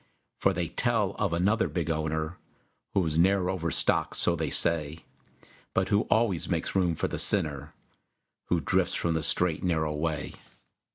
For they tell of another big owner Whose ne'er overstocked, so they say, But who always makes room for the sinner Who drifts from the straight, narrow way.